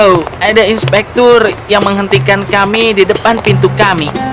oh ada inspektur yang menghentikan kami di depan pintu kami